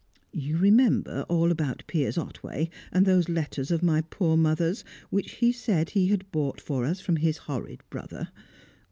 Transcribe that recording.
You remember all about Piers Otway and those letters of my poor mother's, which he said he bought for us from his horrid brother?